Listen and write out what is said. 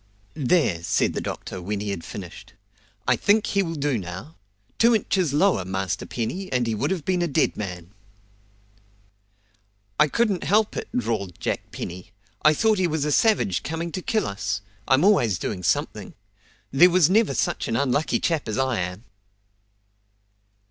"There!" said the doctor when he had finished. "I think he will do now. Two inches lower, Master Penny, and he would have been a dead man." "I couldn't help it!" drawled Jack Penny. "I thought he was a savage coming to kill us. I'm always doing something. There never was such an unlucky chap as I am!"